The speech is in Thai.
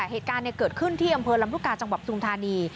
เหตุการณ์เกิดขึ้นที่อำเภอลำลูกกาจังหวัดทุมธานี